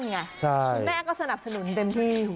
คุณแม่ก็สนับสนุนเต็มที่